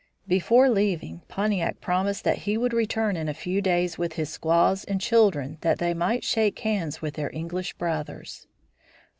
Before leaving, Pontiac promised that he would return in a few days with his squaws and children that they might shake hands with their English brothers.